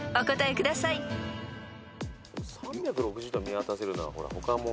３６０度見渡せるなら他も。